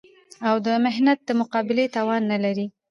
او د محنت د مقابلې توان نه لري